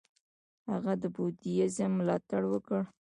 هغه د بودیزم ملاتړ وکړ.